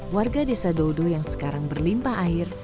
warga desa dodo yang sekarang berlimpah air